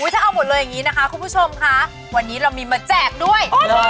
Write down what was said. ถ้าเอาหมดเลยอย่างนี้นะคะคุณผู้ชมค่ะวันนี้เรามีมาแจกด้วย